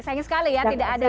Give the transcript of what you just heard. sayang sekali ya tidak ada